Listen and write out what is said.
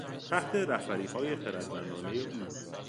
تحت رهبریهای خردمندانهی او